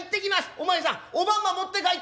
「お前さんおまんま持って帰っておくれ」。